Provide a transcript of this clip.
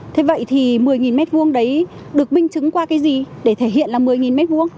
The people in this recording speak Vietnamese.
thế vậy thì một mươi m hai đấy được minh chứng qua cái gì để thể hiện là một mươi m hai